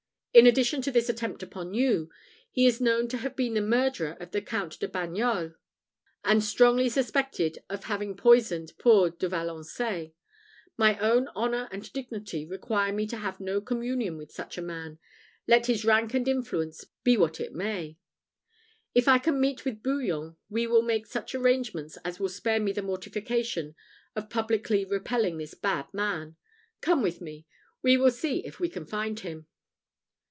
In addition to this attempt upon you, he is known to have been the murderer of the Count de Bagnols, and strongly suspected of having poisoned poor De Valençais. My own honour and dignity require me to have no communion with such a man, let his rank and influence be what it may. If I can meet with Bouillon, we will make such arrangements as will spare me the mortification of publicly repelling this bad man. Come with me; we will see if we can find him."